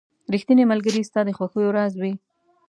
• ریښتینی ملګری ستا د خوښیو راز وي.